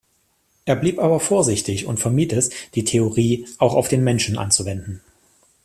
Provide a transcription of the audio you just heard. Er blieb aber vorsichtig und vermied es, die Theorie auch auf den Menschen anzuwenden.